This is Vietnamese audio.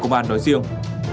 công an nói riêng